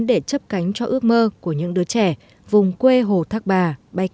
để chấp cánh cho ước mơ của những đứa trẻ vùng quê hồ thác bà bay cao và bay xa